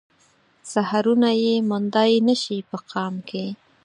سحرونه يې موندای نه شي په قام کې